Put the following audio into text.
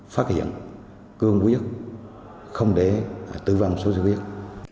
phát hiện cương huyết không để tử vong xuất huyết